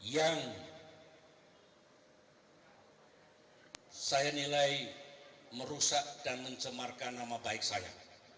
yang saya nilai merusak dan mencemarkan nama baik saya